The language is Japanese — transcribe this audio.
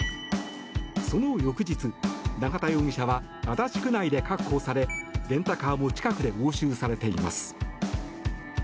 その翌日、永田容疑者は足立区内で確保されレンタカーも近くで押収されています。